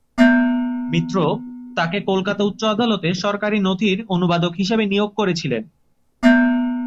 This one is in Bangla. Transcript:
মিত্র তাঁকে কলকাতা উচ্চ আদালতে সরকারী নথির অনুবাদক হিসাবে নিয়োগ করেছিলেন।